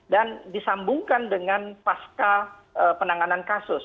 dan disambungkan dengan pasca penanganan kasus